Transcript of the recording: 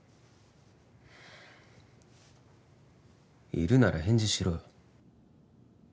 いるなら返事しろよ